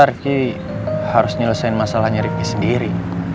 rifki harus nyelesain masalahnya rifki sendiri